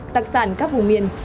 đặc sản các vùng miền